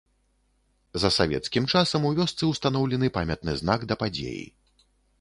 За савецкім часам у вёсцы ўстаноўлены памятны знак да падзеі.